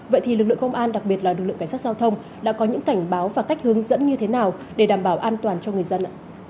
vậy thì lực lượng công an đặc biệt là lực lượng cảnh sát giao thông đã có những cảnh báo và cách hướng dẫn như thế nào để đảm bảo an toàn cho người dân